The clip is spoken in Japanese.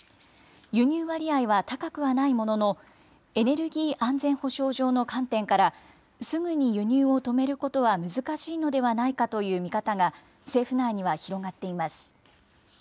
輸入割合は高くはないものの、エネルギー安全保障上の観点から、すぐに輸入を止めることは難しいのではないかという見方が政府内には広がっています。